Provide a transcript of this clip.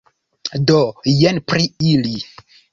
Do, jen pri ili.